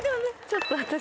ちょっと私。